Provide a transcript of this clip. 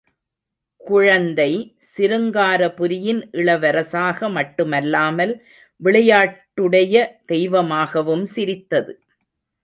குழந்தை சிருங்காரபுரியின் இளவரசாக மட்டுமல்லாமல், விளையாட்டுடைய தெய்வமாகவும் சிரித்தது!